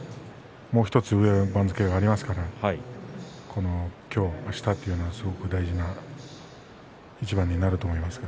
もう１つ上に番付がありますから今日あしたというのは大事な一番になると思います。